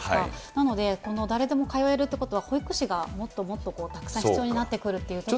なので、この誰でも通えるということは、保育士がもっともっとたくさん必要になってくるっていうところで。